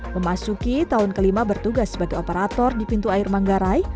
memasuki tahun kelima bertugas sebagai operator di pintu air manggarai